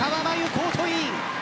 コートイン。